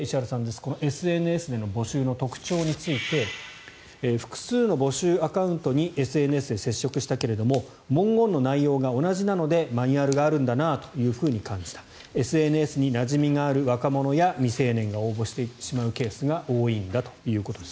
このＳＮＳでの募集の特徴について複数の募集アカウントにＳＮＳで接触したけども文言の内容が同じなのでマニュアルがあるんだなと感じたＳＮＳになじみがある若者や未成年が応募してしまうケースが多いんだということです。